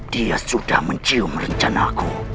dia sudah mencium rencanaku